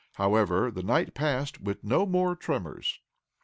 However, the night passed with no more terrors.